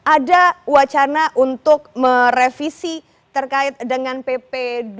ada wacana untuk merevisi terkait dengan pp sembilan puluh sembilan dua ribu dua belas